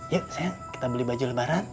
yuk kita beli baju lebaran